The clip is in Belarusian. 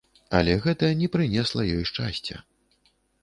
Але гэта не прынесла ёй шчасця.